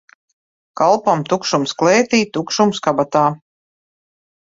Kalpam tukšums klētī, tukšums kabatā.